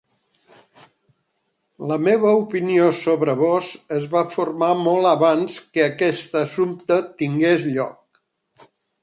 La meva opinió sobre vós es va formar molt abans que aquest assumpte tingués lloc.